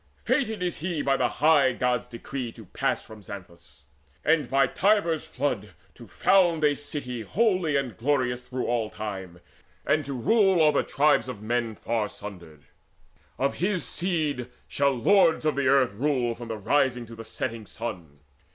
Fated he is by the high Gods' decree To pass from Xanthus, and by Tiber's flood To found a city holy and glorious Through all time, and to rule o'er tribes of men Far sundered. Of his seed shall lords of earth Rule from the rising to the setting sun.